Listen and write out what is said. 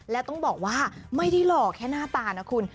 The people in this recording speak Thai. และต้องบอกว่าไม่ได้หล่อแค่หน้าตานะคุณ